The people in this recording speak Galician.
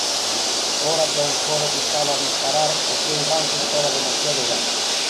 Fora quen for o que estaba a disparar, o seu branco estaba demasiado baixo.